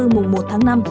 mùng một tháng năm